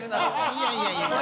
いやいやいや。